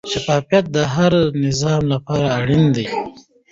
شفافیت د هر نظام لپاره اړین دی.